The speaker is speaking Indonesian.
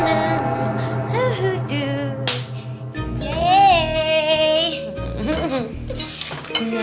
ah jatuh kena